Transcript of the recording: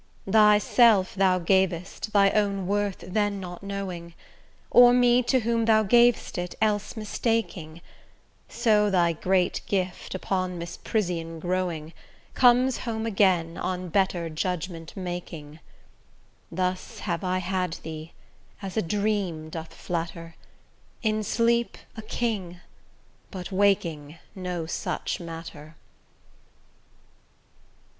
Thyself thou gav'st, thy own worth then not knowing, Or me to whom thou gav'st it, else mistaking; So thy great gift, upon misprision growing, Comes home again, on better judgement making. Thus have I had thee, as a dream doth flatter, In sleep a king, but waking no such matter.